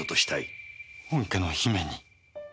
本家の姫に。